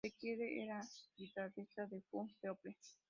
Sequeira era guitarrista de Fun People.